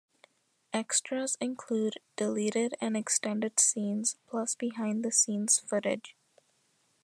Extras include deleted and extended scenes plus behind the scenes footage.